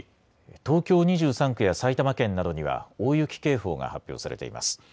東京２３区や埼玉県などには大雪警報が発表されています。